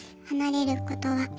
離れることは。